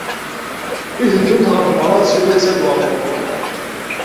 I teddumt ɣer tmeɣra n Sliman U Saɛid Waɛmaṛ U Muḥ?